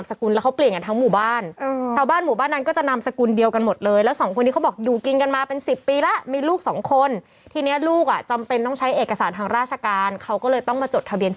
จบอย่างเม่ก็คือก็คือบทสรุปก็คืออ่านน้องก็กลับตัวกลับใจ